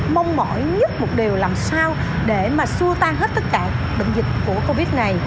mong mỏi nhất một điều làm sao để mà xua tan hết tất cả bệnh dịch của covid này